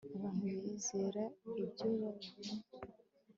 Abantu bizera ibyo babonye